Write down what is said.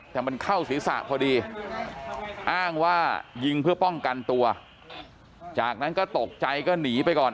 แต่มันเข้าศีรษะพอดีอ้างว่ายิงเพื่อป้องกันตัวจากนั้นก็ตกใจก็หนีไปก่อน